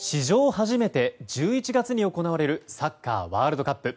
初めて１１月に行われるサッカーワールドカップ。